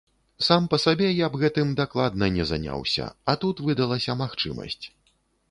Сам па сабе я б гэтым дакладна не заняўся, а тут выдалася магчымасць.